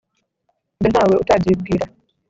ibyo ntawe utabyibwira.